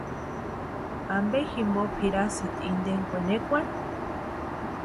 ¿Ampe jimpo pʼirasïni inteni kwenekwani?